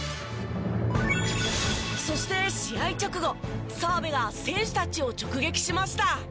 そして試合直後澤部が選手たちを直撃しました。